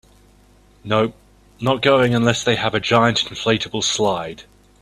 Nope, not going unless they have a giant inflatable slide.